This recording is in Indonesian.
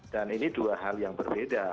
dan ini dua hal yang berbeda